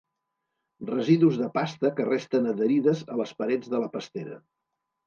Residus de pasta que resten adherides a les parets de la pastera.